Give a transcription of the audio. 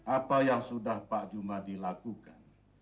apa yang sudah pak jumadi lakukan